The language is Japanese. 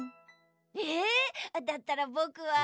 だったらぼくは。